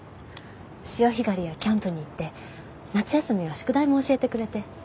潮干狩りやキャンプに行って夏休みは宿題も教えてくれて。